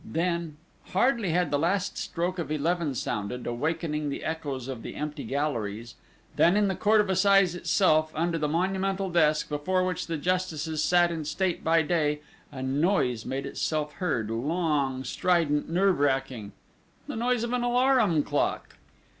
Then, hardly had the last stroke of eleven sounded, awakening the echoes of the empty galleries, than in the Court of Assizes itself, under the monumental desk, before which the justices sat in state by day, a noise made itself heard, long, strident, nerve racking the noise of an alarum clock!